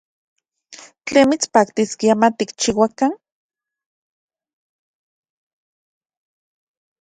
¿Tlen mitspaktiskia matikchiuakan?